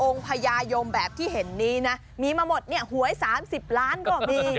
พญายมแบบที่เห็นนี้นะมีมาหมดเนี่ยหวย๓๐ล้านก็มี